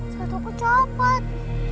saya tuh aku cepet